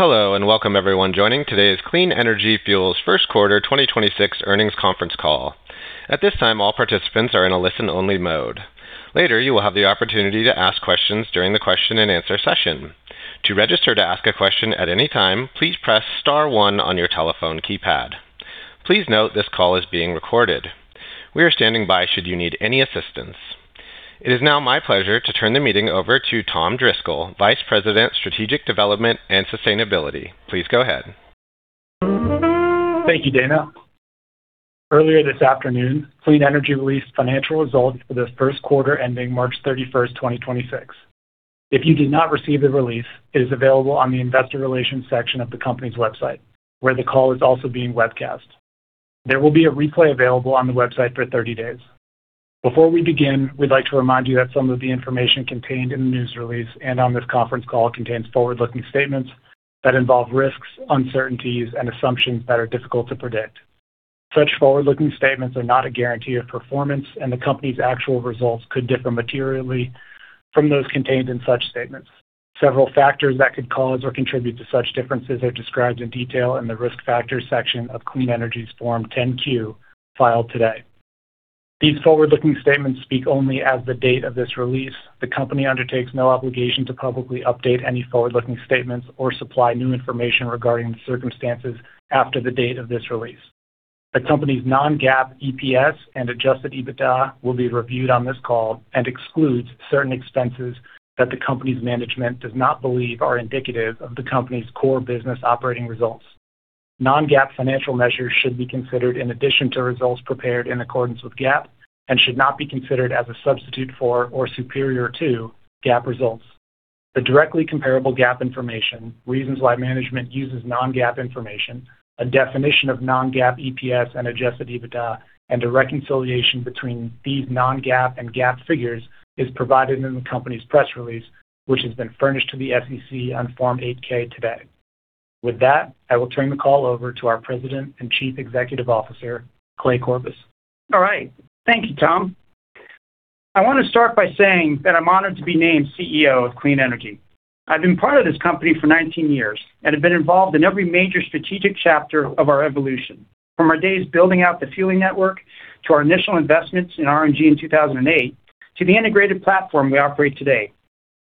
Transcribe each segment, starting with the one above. Hello and welcome everyone joining today's Clean Energy Fuels first quarter 2026 earnings conference call. At this time, all participants are in a listen-only mode. Later, you will have the opportunity to ask questions during the question-and-answer session. To register to ask a question at any time, please press star one on your telephone keypad. Please note this call is being recorded. We are standing by should you need any assistance. It is now my pleasure to turn the meeting over to Tom Driscoll, Vice President, Strategic Development and Sustainability. Please go ahead. Thank you, Dana. Earlier this afternoon, Clean Energy released financial results for the first quarter ending March 31st, 2026. If you did not receive the release, it is available on the Investor Relations section of the company's website, where the call is also being webcast. There will be a replay available on the website for 30 days. Before we begin, we'd like to remind you that some of the information contained in the news release and on this conference call contains forward-looking statements that involve risks, uncertainties and assumptions that are difficult to predict. Such forward-looking statements are not a guarantee of performance, and the company's actual results could differ materially from those contained in such statements. Several factors that could cause or contribute to such differences are described in detail in the Risk Factors section of Clean Energy's Form 10-Q filed today. These forward-looking statements speak only as of the date of this release. The Company undertakes no obligation to publicly update any forward-looking statements or supply new information regarding the circumstances after the date of this release. The company's non-GAAP EPS and adjusted EBITDA will be reviewed on this call and excludes certain expenses that the company's management does not believe are indicative of the company's core business operating results. Non-GAAP financial measures should be considered in addition to results prepared in accordance with GAAP, and should not be considered as a substitute for or superior to GAAP results. The directly comparable GAAP information, reasons why management uses non-GAAP information, a definition of non-GAAP EPS and adjusted EBITDA, and a reconciliation between these non-GAAP and GAAP figures is provided in the Company's press release, which has been furnished to the SEC on Form 8-K today. With that, I will turn the call over to our President and Chief Executive Officer, Clay Corbus. All right. Thank you, Tom. I want to start by saying that I'm honored to be named CEO of Clean Energy. I've been part of this company for 19 years and have been involved in every major strategic chapter of our evolution, from our days building out the fueling network to our initial investments in RNG in 2008 to the integrated platform we operate today.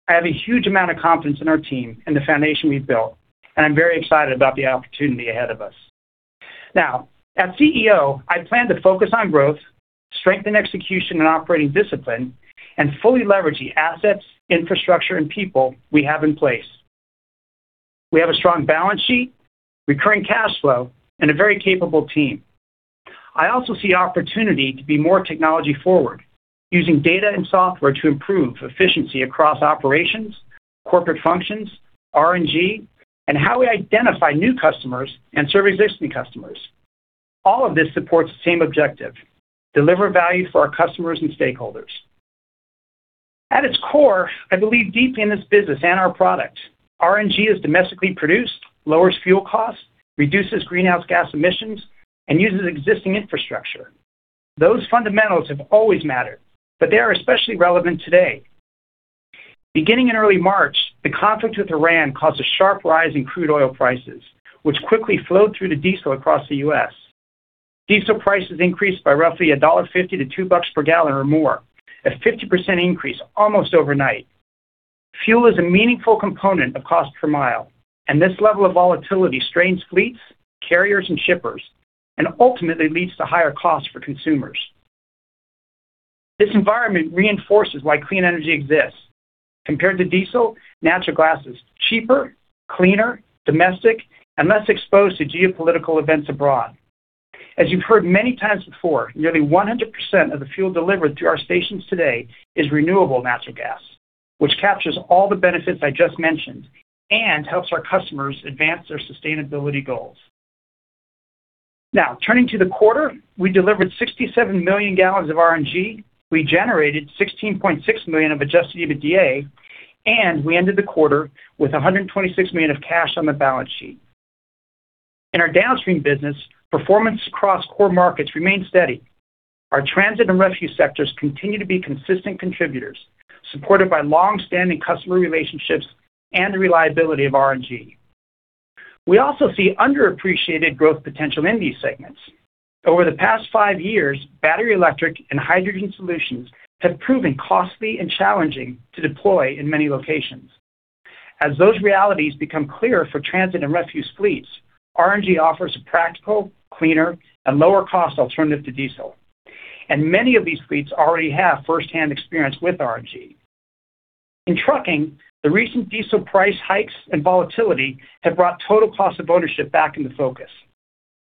I have a huge amount of confidence in our team and the foundation we've built, and I'm very excited about the opportunity ahead of us. Now, as CEO, I plan to focus on growth, strengthen execution and operating discipline, and fully leverage the assets, infrastructure, and people we have in place. We have a strong balance sheet, recurring cash flow, and a very capable team. I also see opportunity to be more technology forward, using data and software to improve efficiency across operations, corporate functions, RNG, and how we identify new customers and serve existing customers. All of this supports the same objective: deliver value for our customers and stakeholders. At its core, I believe deeply in this business and our product. RNG is domestically produced, lowers fuel costs, reduces greenhouse gas emissions, and uses existing infrastructure. Those fundamentals have always mattered, but they are especially relevant today. Beginning in early March, the conflict with Iran caused a sharp rise in crude oil prices, which quickly flowed through to diesel across the U.S. Diesel prices increased by roughly $1.50-$2 per gal or more, a 50% increase almost overnight. Fuel is a meaningful component of cost per mile, and this level of volatility strains fleets, carriers, and shippers and ultimately leads to higher costs for consumers. This environment reinforces why Clean Energy exists. Compared to diesel, natural gas is cheaper, cleaner, domestic, and less exposed to geopolitical events abroad. As you've heard many times before, nearly 100% of the fuel delivered through our stations today is renewable natural gas, which captures all the benefits I just mentioned and helps our customers advance their sustainability goals. Now, turning to the quarter, we delivered 67 million gal of RNG. We generated $16.6 million of adjusted EBITDA, and we ended the quarter with $126 million of cash on the balance sheet. In our downstream business, performance across core markets remained steady. Our transit and refuse sectors continue to be consistent contributors, supported by long-standing customer relationships and the reliability of RNG. We also see underappreciated growth potential in these segments. Over the past five years, battery, electric, and hydrogen solutions have proven costly and challenging to deploy in many locations. As those realities become clearer for transit and refuse fleets, RNG offers a practical, cleaner, and lower cost alternative to diesel, and many of these fleets already have first-hand experience with RNG. In trucking, the recent diesel price hikes and volatility have brought total cost of ownership back into focus.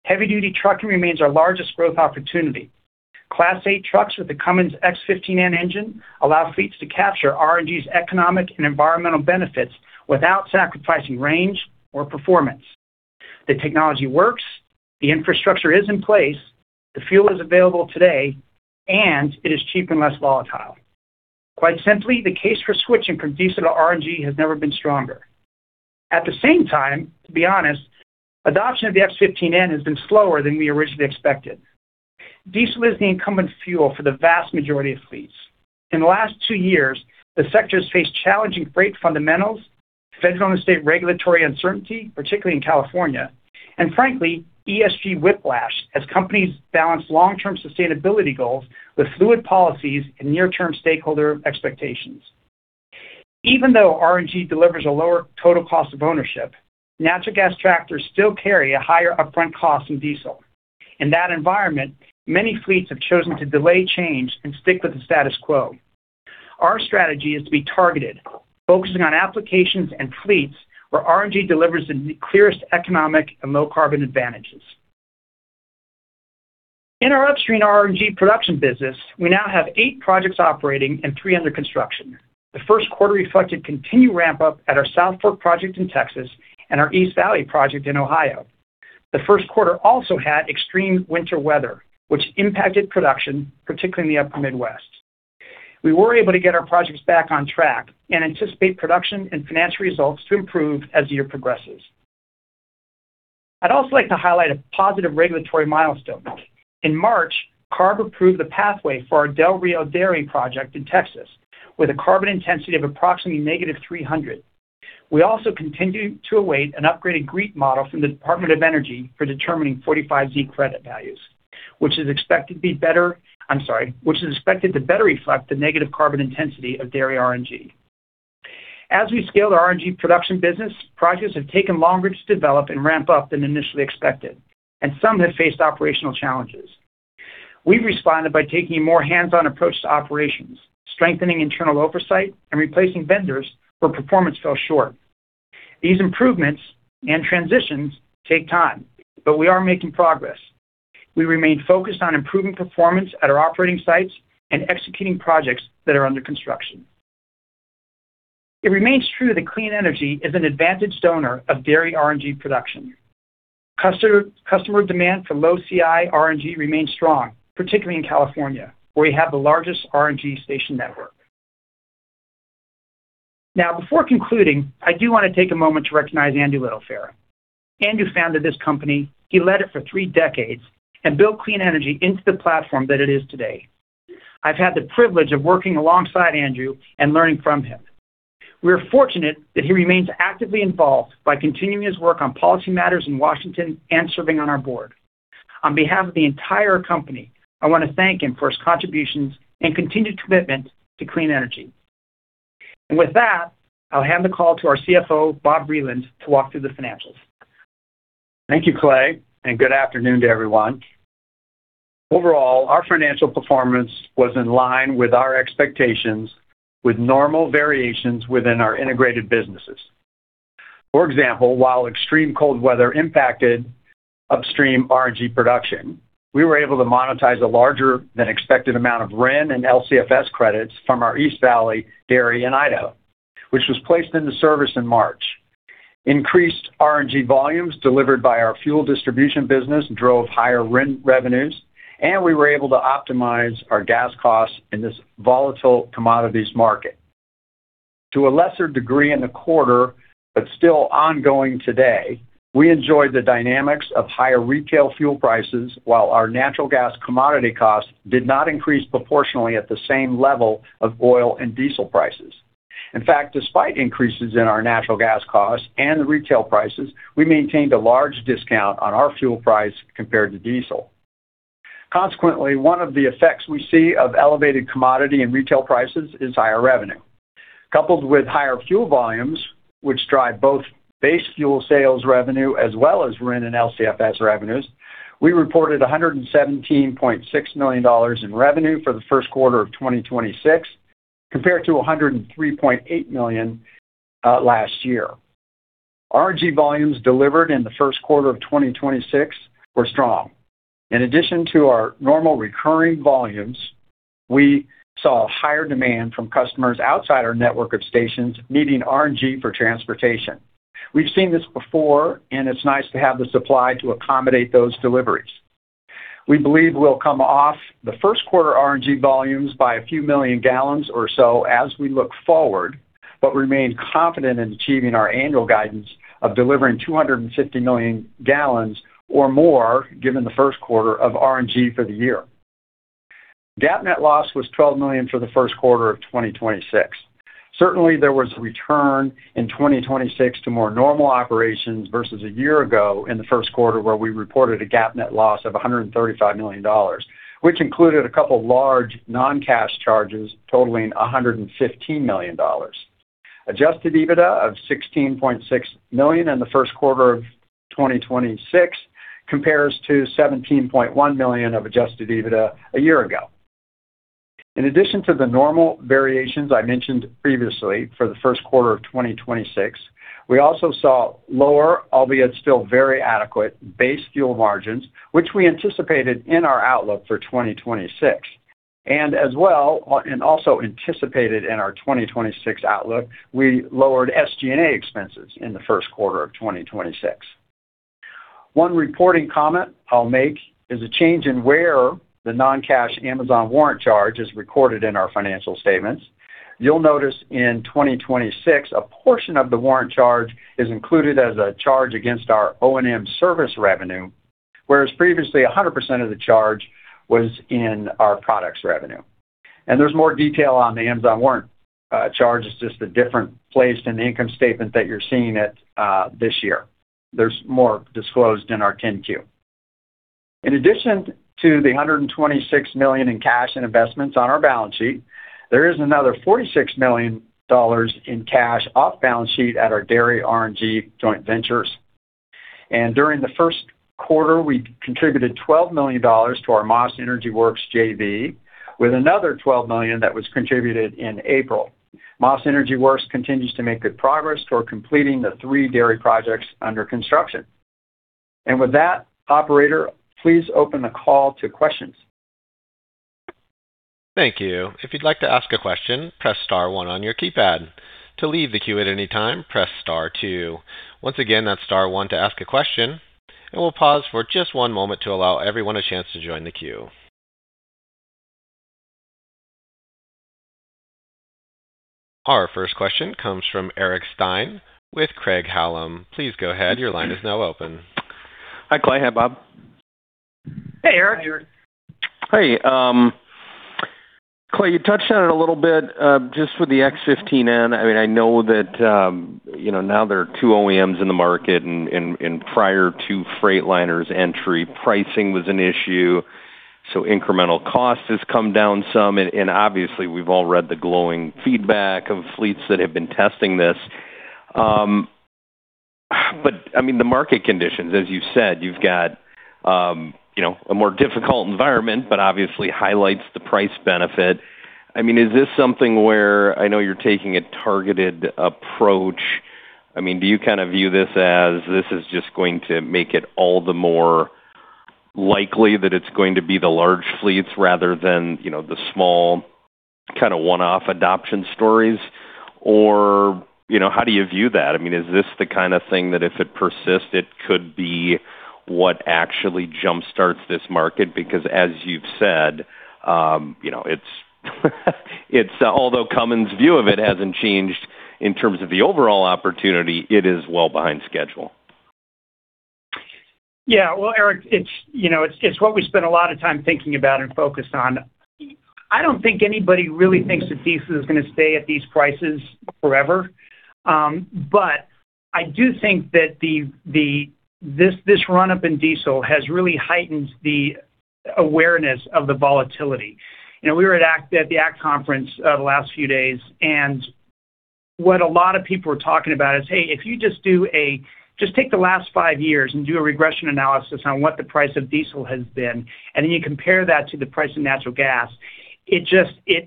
Heavy-duty trucking remains our largest growth opportunity. Class 8 trucks with the Cummins X15N engine allow fleets to capture RNG's economic and environmental benefits without sacrificing range or performance. The technology works, the infrastructure is in place, the fuel is available today, and it is cheap and less volatile. Quite simply, the case for switching from diesel to RNG has never been stronger. At the same time, to be honest, adoption of the X15N has been slower than we originally expected. Diesel is the incumbent fuel for the vast majority of fleets. In the last two years, the sector's faced challenging freight fundamentals, federal and state regulatory uncertainty, particularly in California, and frankly, ESG whiplash as companies balance long-term sustainability goals with fluid policies and near-term stakeholder expectations. Even though RNG delivers a lower total cost of ownership, natural gas tractors still carry a higher upfront cost than diesel. In that environment, many fleets have chosen to delay change and stick with the status quo. Our strategy is to be targeted, focusing on applications and fleets where RNG delivers the clearest economic and low carbon advantages. In our upstream RNG production business, we now have eight projects operating and three under construction. The first quarter reflected continued ramp-up at our South Fork project in Texas and our East Valley project in Idaho. The first quarter also had extreme winter weather, which impacted production, particularly in the upper Midwest. We were able to get our projects back on track and anticipate production and financial results to improve as the year progresses. I'd also like to highlight a positive regulatory milestone. In March, CARB approved the pathway for our Del Rio Dairy project in Texas with a carbon intensity of approximately -300. We also continue to await an upgraded GREET model from the Department of Energy for determining 45Z credit values, which is expected to better reflect the negative carbon intensity of dairy RNG. As we scale the RNG production business, projects have taken longer to develop and ramp up than initially expected, and some have faced operational challenges. We've responded by taking a more hands-on approach to operations, strengthening internal oversight, and replacing vendors where performance fell short. These improvements and transitions take time, but we are making progress. We remain focused on improving performance at our operating sites and executing projects that are under construction. It remains true that Clean Energy is an advantaged owner of dairy RNG production. Customer demand for low CI RNG remains strong, particularly in California, where we have the largest RNG station network. Before concluding, I do want to take a moment to recognize Andrew Littlefair. Andrew founded this company. He led it for three decades and built Clean Energy into the platform that it is today. I've had the privilege of working alongside Andrew and learning from him. We are fortunate that he remains actively involved by continuing his work on policy matters in Washington and serving on our board. On behalf of the entire company, I want to thank him for his contributions and continued commitment to Clean Energy. With that, I'll hand the call to our CFO, Bob Vreeland, to walk through the financials. Thank you, Clay, and good afternoon to everyone. Overall, our financial performance was in line with our expectations with normal variations within our integrated businesses. For example, while extreme cold weather impacted upstream RNG production, we were able to monetize a larger than expected amount of RIN and LCFS credits from our East Valley dairy in Idaho, which was placed into service in March. Increased RNG volumes delivered by our fuel distribution business drove higher RIN revenues, and we were able to optimize our gas costs in this volatile commodities market. To a lesser degree in the quarter, but still ongoing today, we enjoyed the dynamics of higher retail fuel prices while our natural gas commodity costs did not increase proportionally at the same level of oil and diesel prices. In fact, despite increases in our natural gas costs and retail prices, we maintained a large discount on our fuel price compared to diesel. One of the effects we see of elevated commodity and retail prices is higher revenue. Higher fuel volumes, which drive both base fuel sales revenue as well as RIN and LCFS revenues, we reported $117.6 million in revenue for the first quarter of 2026 compared to $103.8 million last year. RNG volumes delivered in the first quarter of 2026 were strong. Our normal recurring volumes, we saw higher demand from customers outside our network of stations needing RNG for transportation. We've seen this before, and it's nice to have the supply to accommodate those deliveries. We believe we will come off the first quarter RNG volumes by a few million gallons or so as we look forward, remain confident in achieving our annual guidance of delivering 250 million gal or more given the first quarter of RNG for the year. GAAP net loss was $12 million for the first quarter of 2026. Certainly, there was a return in 2026 to more normal operations versus a year ago in the first quarter, where we reported a GAAP net loss of $135 million, which included a couple large non-cash charges totaling $115 million. Adjusted EBITDA of $16.6 million in the first quarter of 2026 compares to $17.1 million of adjusted EBITDA a year ago. In addition to the normal variations I mentioned previously for the first quarter of 2026, we also saw lower, albeit still very adequate, base fuel margins, which we anticipated in our outlook for 2026. Also anticipated in our 2026 outlook, we lowered SG&A expenses in the first quarter of 2026. One reporting comment I'll make is a change in where the non-cash Amazon warrant charge is recorded in our financial statements. You'll notice in 2026, a portion of the warrant charge is included as a charge against our O&M service revenue, whereas previously 100% of the charge was in our products revenue. There's more detail on the Amazon warrant charge. It's just a different place in the income statement that you're seeing it this year. There's more disclosed in our 10-Q. In addition to the $126 million in cash and investments on our balance sheet, there is another $46 million in cash off balance sheet at our Dairy RNG joint ventures. During the first quarter, we contributed $12 million to our Maas Energy Works JV with another $12 million that was contributed in April. Maas Energy Works continues to make good progress toward completing the three dairy projects under construction. With that, operator, please open the call to questions. Thank you. Our first question comes from Eric Stine with Craig-Hallum. Hi, Clay. Hi, Bob. Hey, Eric. Hey, Clay, you touched on it a little bit, just with the X15N. I mean, I know that, you know, now there are two OEMs in the market and prior to Freightliner's entry, pricing was an issue, incremental cost has come down some. And obviously, we've all read the glowing feedback of fleets that have been testing this. I mean, the market conditions, as you've said, you've got, you know, a more difficult environment, but obviously highlights the price benefit. I mean, is this something where I know you're taking a targeted approach? I mean, do you kind of view this as this is just going to make it all the more likely that it's going to be the large fleets rather than, you know, the small kind of one-off adoption stories? You know, how do you view that? I mean, is this the kind of thing that if it persists, it could be what actually jumpstarts this market? As you've said, you know, although Cummins' view of it hasn't changed in terms of the overall opportunity, it is well behind schedule. Yeah. Well, Eric, it's, you know, it's what we spend a lot of time thinking about and focused on. I don't think anybody really thinks that diesel is gonna stay at these prices forever. I do think that the this run-up in diesel has really heightened the awareness of the volatility. You know, we were at the ACT conference, the last few days. What a lot of people were talking about is, "Hey, if you just take the last five years and do a regression analysis on what the price of diesel has been, and then you compare that to the price of natural gas, it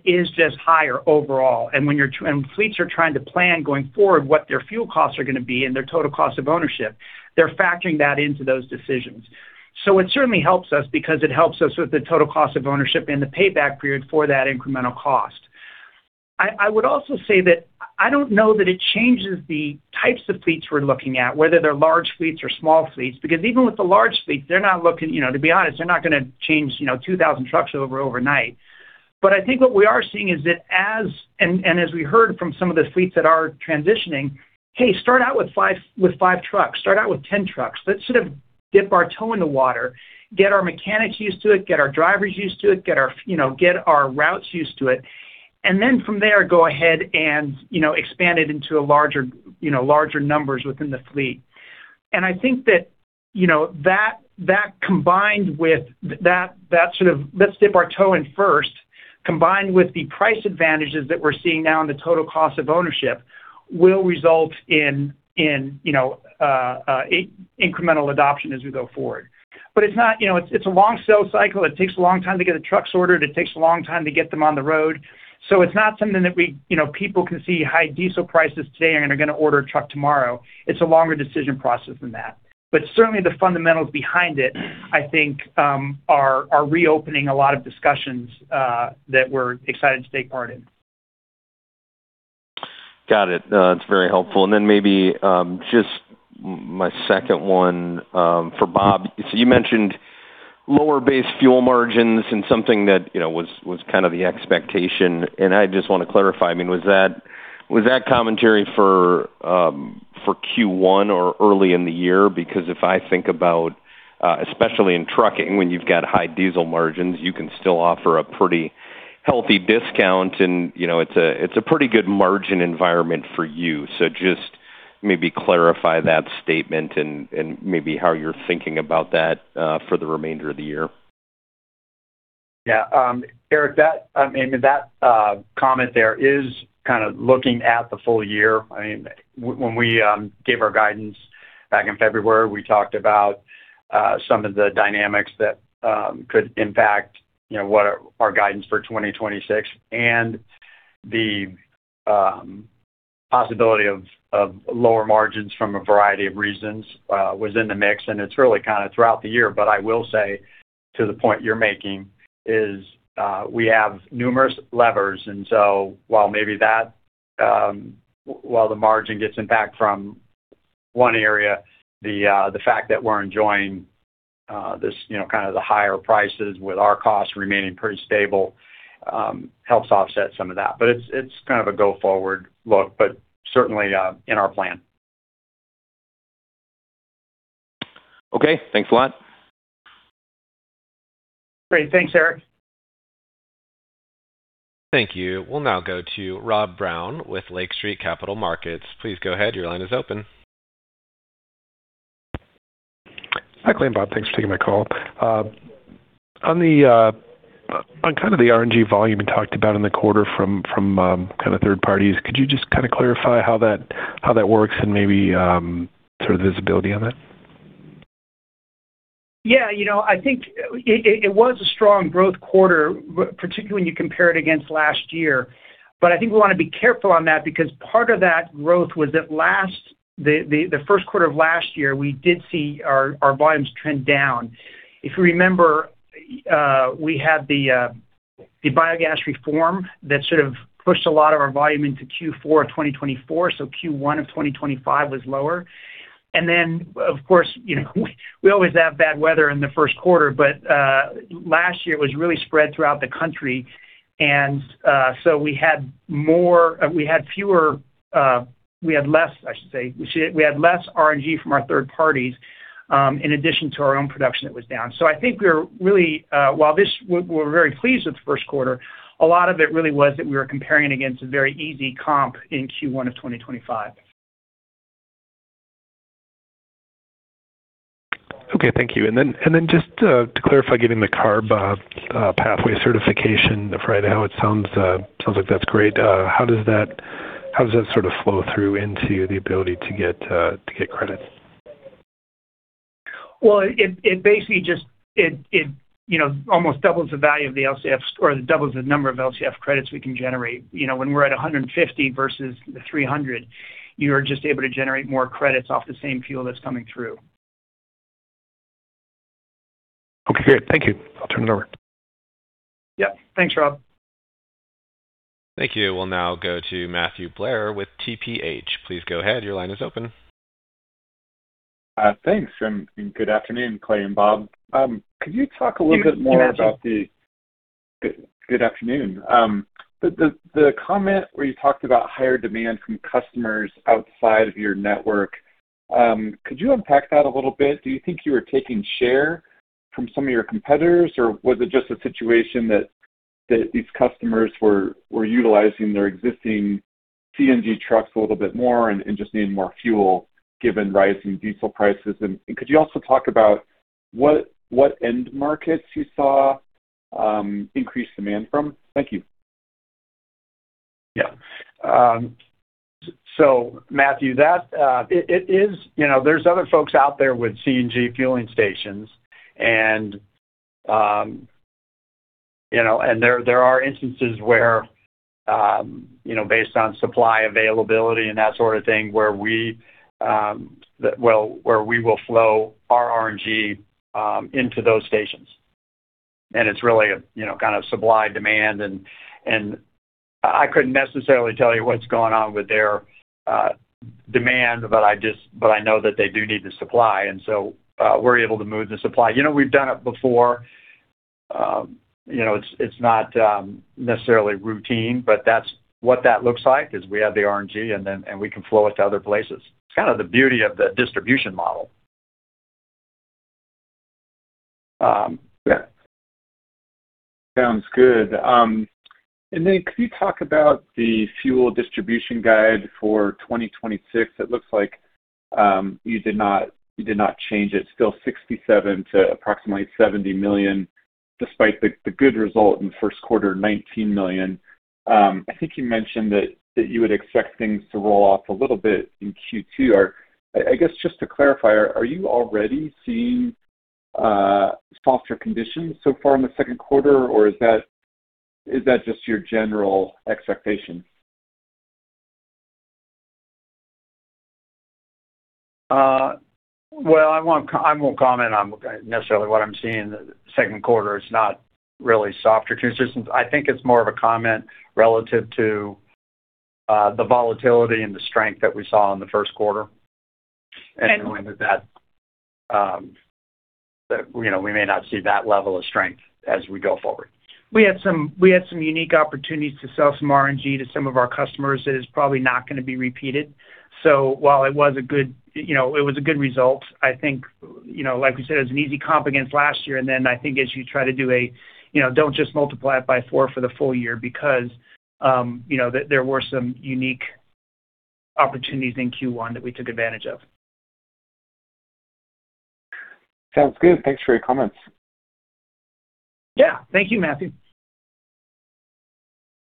is just higher overall." When fleets are trying to plan going forward what their fuel costs are gonna be and their total cost of ownership, they're factoring that into those decisions. It certainly helps us because it helps us with the total cost of ownership and the payback period for that incremental cost. I would also say that I don't know that it changes the types of fleets we're looking at, whether they're large fleets or small fleets, because even with the large fleets, they're not looking, you know, to be honest, they're not gonna change, you know, 2,000 trucks over overnight. I think what we are seeing is that as we heard from some of the fleets that are transitioning, "Hey, start out with five trucks. Start out with 10 trucks. Let's sort of dip our toe in the water, get our mechanics used to it, get our drivers used to it, get our, you know, get our routes used to it. From there, go ahead and, you know, expand it into a larger, you know, larger numbers within the fleet." I think that, you know, that combined with that sort of let's dip our toe in first, combined with the price advantages that we're seeing now in the total cost of ownership will result in, you know, incremental adoption as we go forward. It's not, you know, it's a long sales cycle. It takes a long time to get the trucks ordered. It takes a long time to get them on the road. It's not something that we, you know, people can see high diesel prices today and are gonna order a truck tomorrow. It's a longer decision process than that. Certainly, the fundamentals behind it, I think, are reopening a lot of discussions that we're excited to take part in. Got it. No, that's very helpful. Maybe just my second one for Bob. You mentioned lower base fuel margins and something that, you know, was kind of the expectation, and I just wanna clarify. I mean, was that commentary for Q1 or early in the year? If I think about especially in trucking, when you've got high diesel margins, you can still offer a pretty healthy discount and, you know, it's a pretty good margin environment for you. Just maybe clarify that statement and maybe how you're thinking about that for the remainder of the year. Yeah. Eric, that, I mean, that comment there is kind of looking at the full year. I mean, when we gave our guidance back in February, we talked about some of the dynamics that could impact, you know, what are our guidance for 2026. The possibility of lower margins from a variety of reasons was in the mix, and it's really kind of throughout the year. I will say to the point you're making is, we have numerous levers. While maybe that, while the margin gets impact from. One area, the fact that we're enjoying, this, you know, kind of the higher prices with our costs remaining pretty stable, helps offset some of that. It's kind of a go forward look, but certainly in our plan. Okay, thanks a lot. Great. Thanks, Eric. Thank you. We'll now go to Rob Brown with Lake Street Capital Markets. Please go ahead. Your line is open. Hi, Clay and Bob. Thanks for taking my call. On kind of the RNG volume you talked about in the quarter from third parties, could you just kind of clarify how that works and maybe sort of visibility on that? Yeah. You know, I think it was a strong growth quarter, but particularly when you compare it against last year. I think we wanna be careful on that because part of that growth was at last the first quarter of last year, we did see our volumes trend down. If you remember, we had the biogas reform that sort of pushed a lot of our volume into Q4 of 2024, so Q1 of 2025 was lower. Of course, you know, we always have bad weather in the first quarter, but last year it was really spread throughout the country. We had less, I should say, we had less RNG from our third parties, in addition to our own production that was down. I think we're really very pleased with the first quarter, a lot of it really was that we were comparing against a very easy comp in Q1 of 2025. Okay, thank you. Just to clarify, getting the CARB pathway certification right, how it sounds like that's great. How does that sort of flow through into the ability to get credit? Well, it basically just, you know, almost doubles the value of the LCFS or doubles the number of LCFS credits we can generate. You know, when we're at 150 versus the 300, you're just able to generate more credits off the same fuel that's coming through. Okay, great. Thank you. I'll turn it over. Yeah. Thanks, Rob. Thank you. We'll now go to Matthew Blair with TPH. Please go ahead. Your line is open. Thanks, and good afternoon, Clay and Bob. Could you talk a little bit more about the- Hey, Matthew. Good afternoon. The comment where you talked about higher demand from customers outside of your network, could you unpack that a little bit? Do you think you were taking share from some of your competitors, or was it just a situation that these customers were utilizing their existing CNG trucks a little bit more and just needing more fuel given rising diesel prices? Could you also talk about what end markets you saw increased demand from? Thank you. Yeah. Matthew, that it is you know, there's other folks out there with CNG fueling stations and you know, there are instances where you know, based on supply availability and that sort of thing, where we well, where we will flow our RNG into those stations. It's really a you know, kind of supply demand and I couldn't necessarily tell you what's going on with their demand, but I know that they do need the supply and so we're able to move the supply. You know, we've done it before. you know, it's not necessarily routine, but that's what that looks like, is we have the RNG and we can flow it to other places. It's kind of the beauty of the distribution model. Yeah. Sounds good. Could you talk about the fuel distribution guide for 2026? It looks like you did not change it. Still 67 million to approximately 70 million, despite the good result in the first quarter, 19 million. I think you mentioned that you would expect things to roll off a little bit in Q2. I guess just to clarify, are you already seeing softer conditions so far in the second quarter, or is that just your general expectation? Well, I won't comment on necessarily what I'm seeing in the second quarter. It's not really softer. Two systems. I think it's more of a comment relative to, the volatility and the strength that we saw in the first quarter. And- Knowing that, you know, we may not see that level of strength as we go forward. We had some unique opportunities to sell some RNG to some of our customers that is probably not gonna be repeated. While it was a good, you know, it was a good result, I think, you know, like we said, it was an easy comp against last year. I think as you try to, you know, don't just multiply it by four for the full year because, you know, there were some unique opportunities in Q1 that we took advantage of. Sounds good. Thanks for your comments. Yeah. Thank you, Matthew.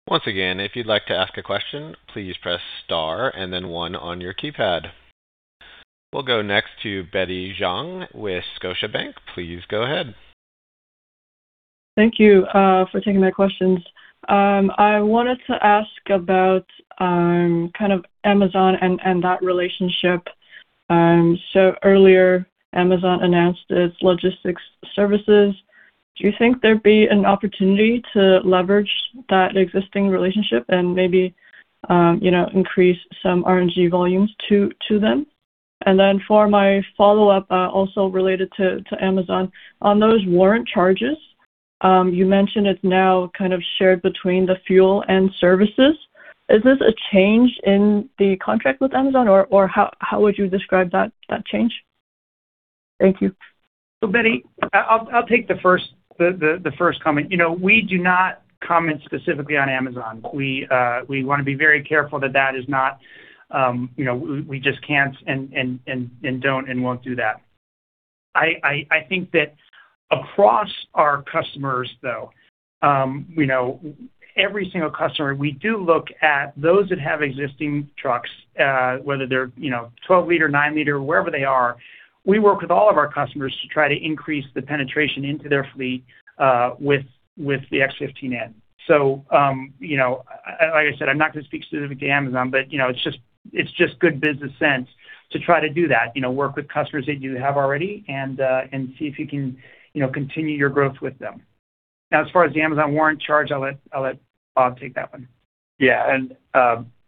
Once again, if you'd like to ask a question, please press star and then one on your keypad. We'll go next to Betty Zhang with Scotiabank. Please go ahead. Thank you for taking my questions. I wanted to ask about kind of Amazon and that relationship. Earlier Amazon announced its logistics services. Do you think there'd be an opportunity to leverage that existing relationship and maybe you know increase some RNG volumes to them? For my follow-up also related to Amazon. On those warrant charges you mentioned it's now kind of shared between the fuel and services. Is this a change in the contract with Amazon or how would you describe that change? Thank you. Betty, I'll take the first comment. You know, we do not comment specifically on Amazon. We wanna be very careful that that is not. You know, we just can't and don't and won't do that. I think that across our customers though, you know, every single customer, we do look at those that have existing trucks, whether they're, you know, 12 L, 9 L, wherever they are, we work with all of our customers to try to increase the penetration into their fleet with the X15N. You know, like I said, I'm not gonna speak specific to Amazon, but, you know, it's just good business sense to try to do that. You know, work with customers that you have already and see if you can, you know, continue your growth with them. Now, as far as the Amazon warrant charge, I'll let Bob take that one. Yeah.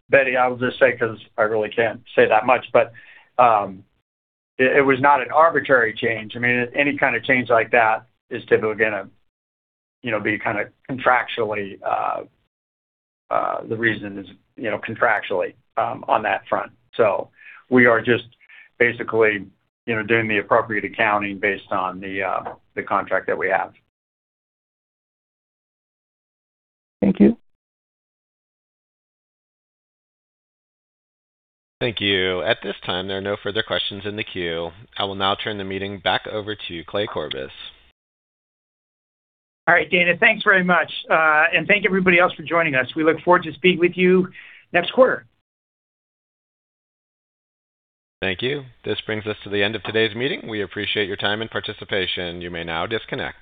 Betty, I'll just say 'cause I really can't say that much, but, it was not an arbitrary change. I mean, any kind of change like that is typically gonna, you know, be kind of contractually, the reason is, you know, contractually, on that front. We are just basically, you know, doing the appropriate accounting based on the contract that we have. Thank you. Thank you. At this time, there are no further questions in the queue. I will now turn the meeting back over to Clay Corbus. All right, Dana. Thanks very much. Thank everybody else for joining us. We look forward to speaking with you next quarter. Thank you. This brings us to the end of today's meeting. We appreciate your time and participation. You may now disconnect.